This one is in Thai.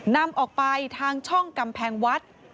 นำออกไปทางช่องกำแพงวัด